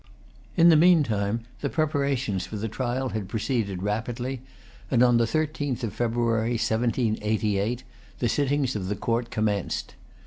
In the meantime, the preparations for the trial had proceeded rapidly; and on the thirteenth of February, 1788, the sittings of the Court commenced.